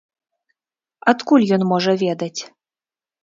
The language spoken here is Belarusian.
Адкуль ён можа ведаць?